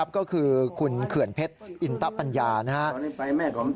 ก็คือคุณเขื่อนเพชรอินตะปัญญานะครับ